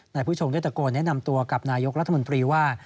ผู้ชงได้ตะโกนแนะนำตัวกับนายกรัฐมนตรีว่า